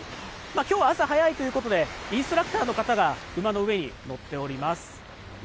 きょうは朝早いということで、インストラクターの方が馬の上に乗っております。